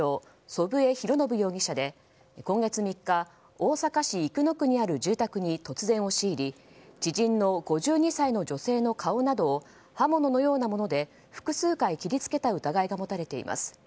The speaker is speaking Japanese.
祖父江博伸容疑者で今月３日大阪市生野区にある住宅に突然、押し入り知人の５２歳の女性の顔などを刃物のようなもので複数回切りつけた疑いが持たれています。